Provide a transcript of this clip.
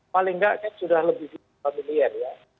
paling nggak kan sudah lebih familiar ya